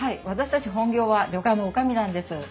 私たち本業は旅館の女将なんです。